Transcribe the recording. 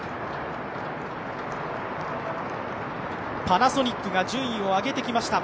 パナソニックが順位を上げてきました。